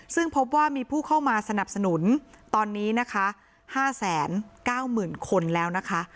ซึ่งพบว่ามีผู้เข้ามาสนับสนุนตอนนี้นะคะห้าแสนเก้าหมื่นคนแล้วนะคะ